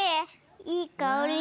いいかおり！